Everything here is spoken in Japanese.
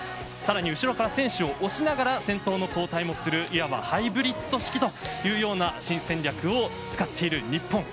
更に後ろから選手を押しながら先頭の交代をするいわばハイブリッド式というような新戦略を使っている日本。